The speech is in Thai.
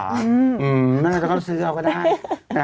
งั้นโทรศัพท์ซื้อเอาก็ได้